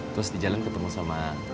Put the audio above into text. terus di jalan ketemu sama